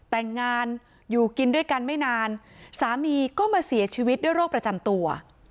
แต่งงานอยู่กินด้วยกันไม่นานสามีก็มาเสียชีวิตด้วยโรคประจำตัว